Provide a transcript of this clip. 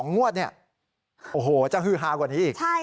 งวดเนี่ยโอ้โหจะฮือฮากว่านี้อีก